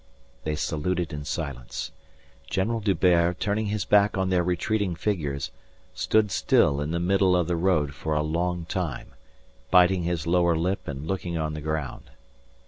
They saluted in silence. General D'Hubert, turning his back on their retreating figures, stood still in the middle of the road for a long time, biting his lower lip and looking on the ground.